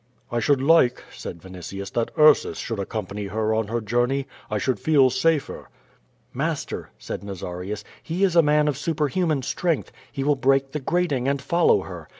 "I should like," said Vinitius, "that Ursus should accom pany her on her journey. I should feel safer." "Master," said Nazarius, "he is a man of superhuman strength; he will break the grating and follow her.